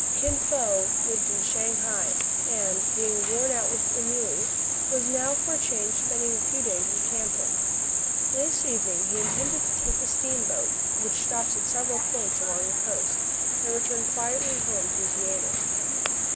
Kin Fo lived in Shang hai, and, being worn out with e7inuiy was now for a change spending a few days in Canton. This evening he intended to take the steamboat which stops at several points along the coast, and return quietly home to his yamen.